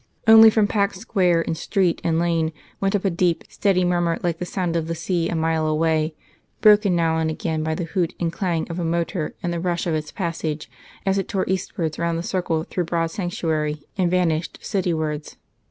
Only from packed square and street and lane went up a deep, steady murmur like the sound of the sea a mile away, broken now and again by the hoot and clang of a motor and the rush of its passage as it tore eastwards round the circle through Broad Sanctuary and vanished citywards.